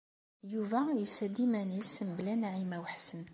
Yuba yusa-d iman-is, mebla Naɛima u Ḥsen.